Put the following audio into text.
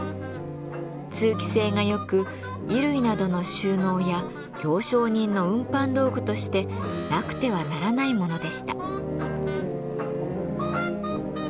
通気性がよく衣類などの収納や行商人の運搬道具としてなくてはならないものでした。